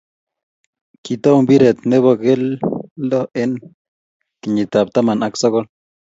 Kitou mpiret ne bo kelto eng kinyikab taman ak sokol